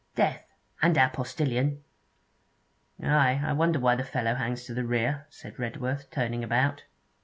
Death, and our postillion!' 'Ay; I wonder why the fellow hangs to the rear,' said Redworth, turning about.